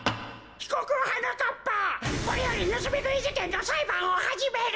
ひこくはなかっぱこれよりぬすみぐいじけんのさいばんをはじめる。